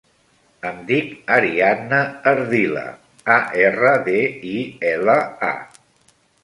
Em dic Ariadna Ardila: a, erra, de, i, ela, a.